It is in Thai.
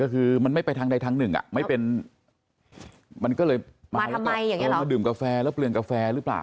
คือมันไม่ไปทางใดทางหนึ่งไม่เป็นมันก็เลยมาแล้วก็เอามาดื่มกาแฟแล้วเปลืองกาแฟหรือเปล่า